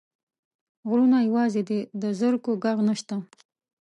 غرونه یوازي دي، د زرکو ږغ نشته